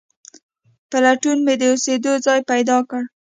په لټون مې د اوسېدو ځای پیدا کړ.